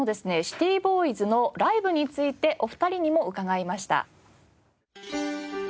シティボーイズのライブについてお二人にも伺いました。